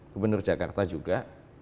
gubernur jakarta juga